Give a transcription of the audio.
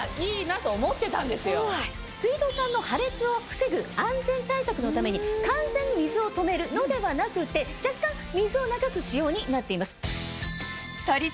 水道管の破裂を防ぐ安全対策のために完全に水を止めるのではなくて若干水を流す使用になっています。